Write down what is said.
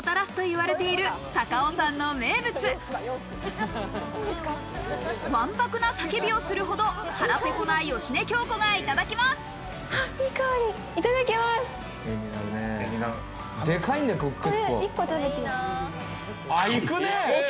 わんぱくな叫びをするほど腹ペコな芳根京子がいただきます。